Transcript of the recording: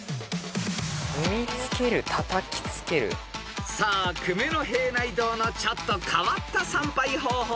「踏みつける」「叩きつける」［さあ久米平内堂のちょっと変わった参拝方法とは？］